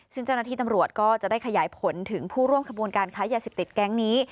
ซึ่งเจ้าหน้าที่ตำรวจก็จะได้ขยายผลถึงผู้ร่วมขบวนการค้ายาเสพติดแก๊งนี้